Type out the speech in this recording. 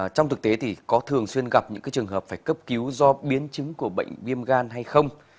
trong thực tế thì có thường xuyên gặp những trường hợp phải cấp cứu do biến chứng của bệnh viêm gan hay không